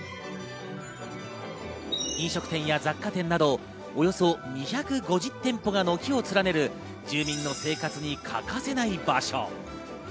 飲食店や雑貨店など、およそ２５０店舗が軒を連ねる住民の生活に欠かせない場所。